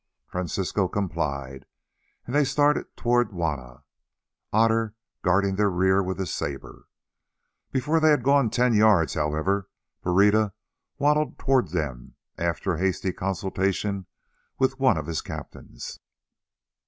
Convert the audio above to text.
Francisco complied, and they started towards Juanna, Otter guarding their rear with his sabre. Before they had gone ten yards, however, Pereira waddled towards them after a hasty consultation with one of his captains.